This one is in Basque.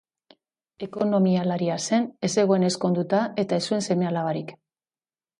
Ekonomialaria zen, ez zegoen ezkonduta eta ez zuen seme-alabarik.